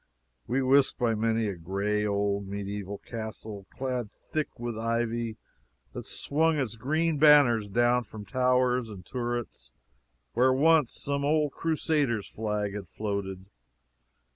We whisked by many a gray old medieval castle, clad thick with ivy that swung its green banners down from towers and turrets where once some old Crusader's flag had floated.